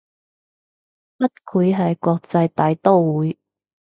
不愧係國際大刀會